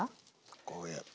こうやって。